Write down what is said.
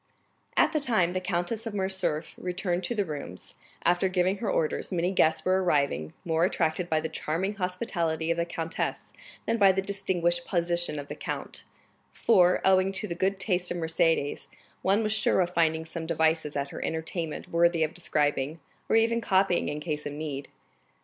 30297m At the time the Countess of Morcerf returned to the rooms, after giving her orders, many guests were arriving, more attracted by the charming hospitality of the countess than by the distinguished position of the count; for, owing to the good taste of Mercédès, one was sure of finding some devices at her entertainment worthy of describing, or even copying in case of need.